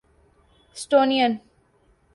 Estonian